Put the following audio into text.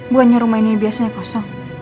bukannya rumah ini biasanya kosong